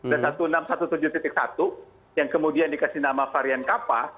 b seribu enam ratus tujuh belas satu yang kemudian dikasih nama varian kapa